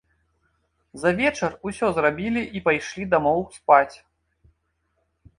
За вечар усё зрабілі і пайшлі дамоў спаць.